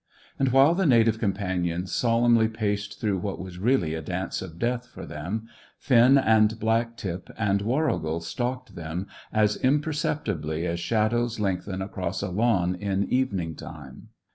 And while the Native Companions solemnly paced through what was really a dance of death for them, Finn and Black tip and Warrigal stalked them as imperceptibly as shadows lengthen across a lawn in evening time.